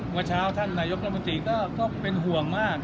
เมื่อเช้าถ้าญกรมฤนมันตรีก็เป็นห่วงมาก